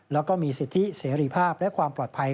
แล้วก็มีสิทธิเสรีภาพและความปลอดภัย